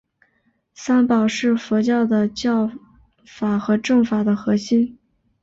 三宝是佛教的教法和证法的核心。